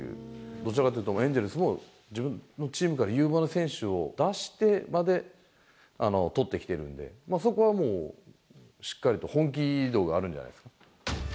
どちらかというと、エンゼルスも、自分のチームから有望な選手を出してまで取ってきているんで、そこはもう、しっかりと本気度があるんじゃないですか。